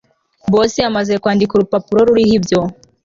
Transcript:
Boss yamaze kwandika urupapuro ruriho ibyo